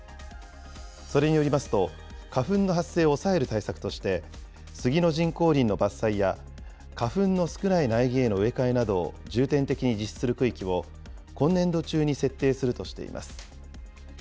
それによりますと、花粉の発生を抑える対策として、スギの人工林の伐採や、花粉の少ない苗木への植え替えなどを重点的に実施する区域を、今年度中に設定するとしています。